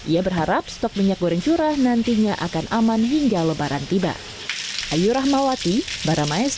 ia berharap stok minyak goreng curah nantinya akan amat berhasil